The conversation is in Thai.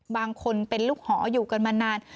บางคนเป็นลูกหออยู่กันมานาน